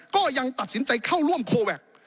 ก็ยังตัดสินใจเข้าร่วมโคแวค